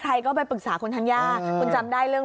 ใครก็ไปปรึกษาคุณธัญญาคุณจำได้เรื่อง